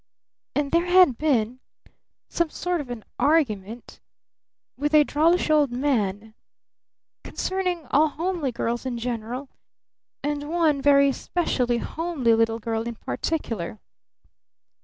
And there had been some sort of an argument with a drollish old man concerning all homely girls in general and one very specially homely little girl in particular.